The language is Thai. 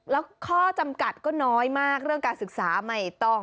แล้วข้อจำกัดก็น้อยมากเรื่องการศึกษาไม่ต้อง